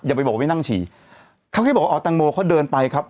ไปบอกว่าไม่นั่งฉี่เขาแค่บอกว่าอ๋อแตงโมเขาเดินไปครับ